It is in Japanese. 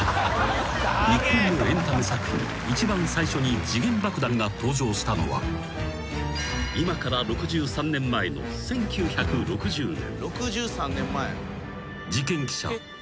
［日本のエンタメ作品で一番最初に時限爆弾が登場したのは今から６３年前の１９６０年］